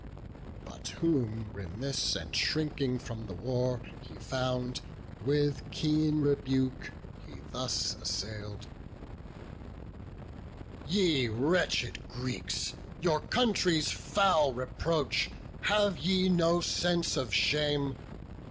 But whom remiss and shrinking from the war He found, with keen rebuke he thus assail'd; "Ye wretched Greeks, your country's foul reproach, Have ye no sense of shame?